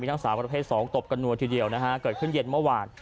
ทั้งสาวประเภทสองตบกันนัวทีเดียวนะฮะเกิดขึ้นเย็นเมื่อวาน